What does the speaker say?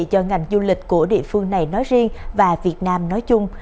cho ngành du lịch của địa phương này nói riêng và việt nam nói chung